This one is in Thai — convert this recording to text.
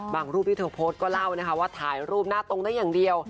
รูปที่เธอโพสต์ก็เล่านะคะว่าถ่ายรูปหน้าตรงได้อย่างเดียว